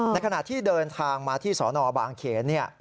ในขณะที่เดินทางมาที่สอนอบางเขน